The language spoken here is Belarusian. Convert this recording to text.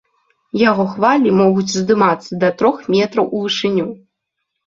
Яго хвалі могуць уздымацца да трох метраў у вышыню.